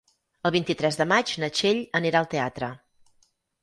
El vint-i-tres de maig na Txell anirà al teatre.